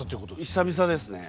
久々ですね。